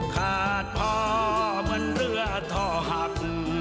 ขาดพ่อมันเรือท่อหัก